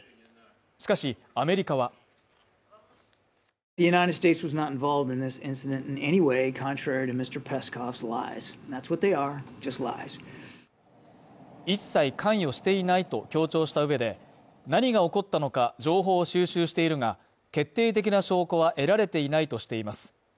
しかし、アメリカは一切関与していないと強調した上で、何が起こったのか、情報を収集しているが決定的な証拠は得られていないとしています。